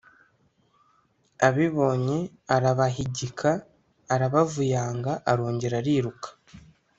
abibonye arabahigika arabavuyanga arongera ariruka